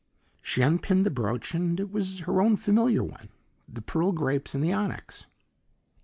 She unpinned the brooch, and it was her own familiar one, the pearl grapes and the onyx.